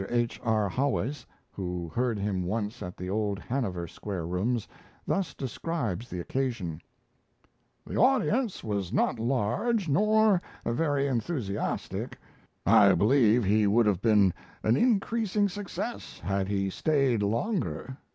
H. R. Haweis, who heard him once at the old Hanover Square Rooms, thus describes the occasion: "The audience was not large nor very enthusiastic. I believe he would have been an increasing success had he stayed longer.